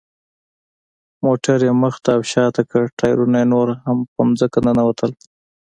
موټر یې مخ ته او شاته کړ، ټایرونه یې نور هم په ځمکه ننوتل.